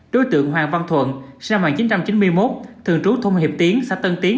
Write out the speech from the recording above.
đối tượng hoàng văn thuận sinh năm một nghìn chín trăm chín mươi một thường trú thông hiệp tiến xã tân tiến